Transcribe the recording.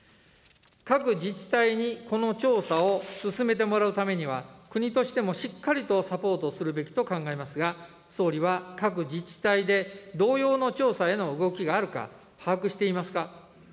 各自治体にこの調査を進めてもらうためには、国としてもしっかりとサポートするべきと考えますが、総理は各自治体で同様の調査への動きがあるか、把握していますか。